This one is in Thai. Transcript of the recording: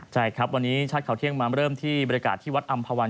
ใช่ครับวันนี้ชาติข่าวเที่ยงมาเริ่มที่บรรยากาศที่วัดอำภาวัน